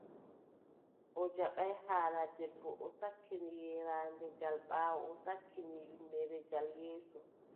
O jaɓaay haala debbo, o sakkini yeeraande gal ɓaawo, o sakkini ƴulmere gal yeeso.